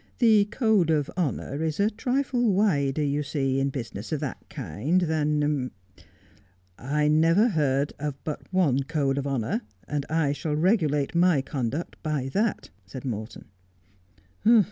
The code of honour is a trifle wider, you see, in a business of that kind than '' I never heard of but one code of honour, and I shall regulate my conduct by that,' said Morton.